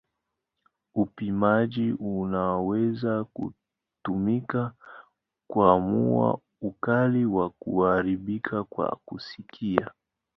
Upimaji unaweza kutumika kuamua ukali wa kuharibika kwa kusikia.